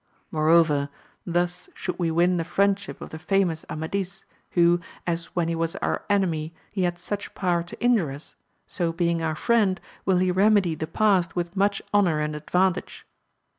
Moreover, thus should we win the friendship of the famous Amadis, who, as when he was our enemy, he had such power to injure us, so being our friend, will he remedy the past with much honour and advantage.